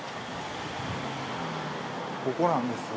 ここなんですよ